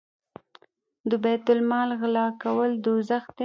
د بیت المال غلا کول دوزخ دی.